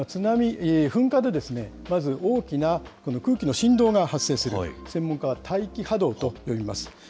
噴火で、まず大きな空気の振動が発生する、専門家は大気波動と呼びます。